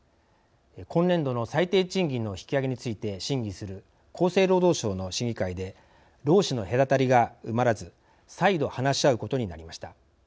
今年度の最低賃金の引き上げについて審議する厚生労働省の審議会で労使の隔たりが埋まらず再度、話し合うことになりました。